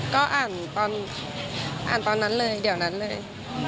ก็อ่านตอนอ่านตอนนั้นเลยเดี๋ยวนั้นเลย